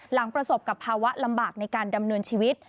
ประสบกับภาวะลำบากในการดำเนินชีวิต